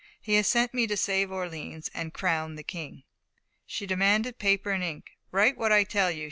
He has sent me to save Orleans and crown the King." She demanded paper and ink. "Write what I tell you!"